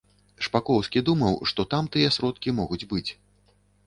Шпакоўскі думаў, што там тыя сродкі могуць быць.